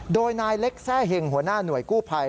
โดยนายเล็กแทร่เห็งหัวหน้าหน่วยกู้ภัย